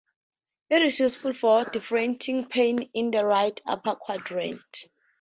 It is useful for differentiating pain in the right upper quadrant.